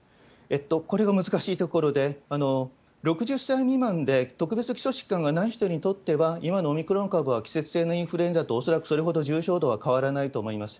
これが難しいところで、６０歳未満で、特別基礎疾患がない人にとっては、今のオミクロン株は季節性のインフルエンザと恐らくそれほど重症度は変わらないと思います。